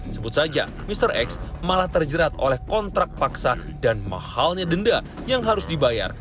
sebut saja mr x malah terjerat oleh kontrak paksa dan mahalnya denda yang harus dibayar